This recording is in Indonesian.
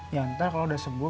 ya entar kalo udah sembuh